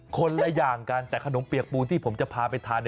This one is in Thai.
คนละอย่างกันแต่ขนมเปียกปูนที่ผมจะพาไปทาน